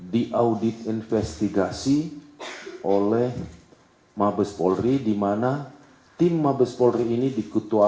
di audit investigasi oleh mabespolri di mana tim mabespolri ini dikutuai